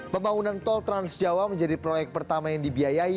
pembangunan tol transjawa menjadi proyek pertama yang dibiayai